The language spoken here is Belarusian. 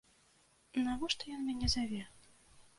Навошта ён мяне заве?